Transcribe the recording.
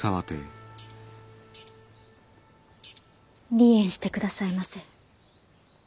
離縁してくださいませ。